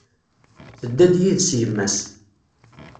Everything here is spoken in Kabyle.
Tedda-d yid-s yemma-s.